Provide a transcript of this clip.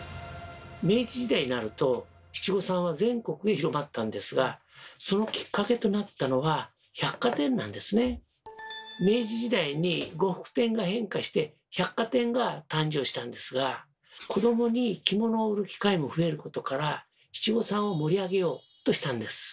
明治時代になると七五三は全国へ広まったんですがそのきっかけとなったのが明治時代に呉服店が変化して百貨店が誕生したんですが七五三を盛り上げようとしたんです。